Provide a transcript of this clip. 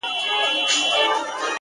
لوړ اخلاق تل روښانه پاتې کېږي.!